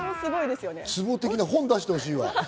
ツボ的な本を出してほしい。